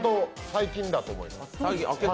最近だと思います。